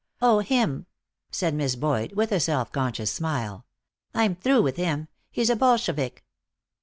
"Oh, him!" said Miss Boyd, with a self conscious smile. "I'm through with him. He's a Bolshevik!"